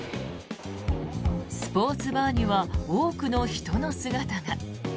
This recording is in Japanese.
スポーツバーには多くの人の姿が。